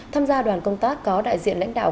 tham gia đoàn công tác có đại diện lãnh đạo